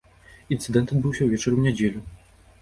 Інцыдэнт адбыўся ўвечары ў нядзелю.